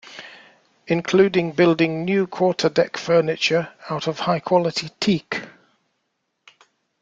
Including building new quarter deck furniture out of high quality teak.